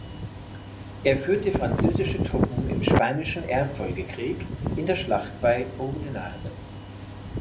Er führte französische Truppen im Spanischen Erbfolgekrieg in der Schlacht bei Oudenaarde.